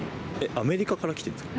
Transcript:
アメリカから来てるんですか？